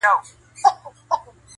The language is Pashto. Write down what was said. o سپی دي ښخ وي دلې څه ګناه یې نسته,